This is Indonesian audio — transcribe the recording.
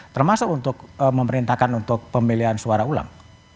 termasuk untuk memerintahkan untuk pemilihan suara ulang